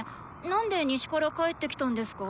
何で西から帰ってきたんですか？